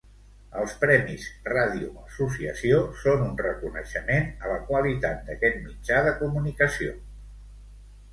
Els Premis Ràdio Associació són un reconeixement a la qualitat d'aquest mitjà de comunicació.